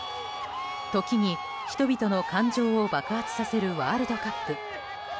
時に、人々の感情を爆発させるワールドカップ。